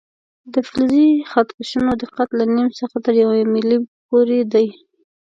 د فلزي خط کشونو دقت له نیم څخه تر یو ملي متره پورې دی.